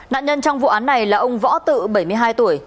nạn nhân trong vụ án này là ông võ tự bảy mươi hai tuổi